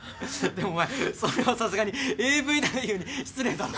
でもお前それはさすがにＡＶ男優に失礼だろ。